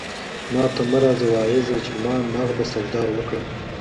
ماته مه راځه واعظه چي ما نغده سودا وکړه